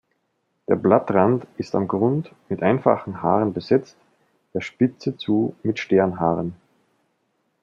Der Blattrand ist am Grund mit einfachen Haaren besetzt, der Spitze zu mit Sternhaaren.